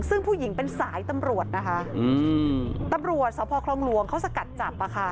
ซึ่งผู้หญิงเป็นสายตำรวจนะคะตำรวจสพคลองหลวงเขาสกัดจับ